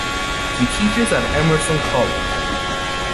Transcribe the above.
He teaches at Emerson College.